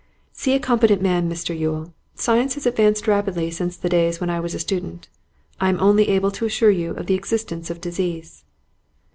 'See a competent man, Mr Yule. Science has advanced rapidly since the days when I was a student; I am only able to assure you of the existence of disease.